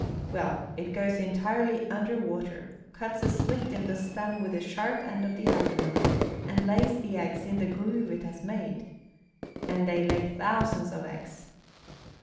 Well, it goes entirely under water, cuts a slit in the stem with the sharp end of the abdomen, and lays the eggs in the groove it has made. And they lay thousands of eggs."